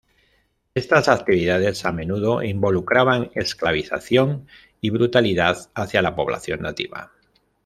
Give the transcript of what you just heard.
Estas actividades a menudo involucraban esclavización y brutalidad hacia la población nativa.